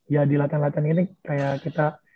ya di latihan latihan ini kayak kita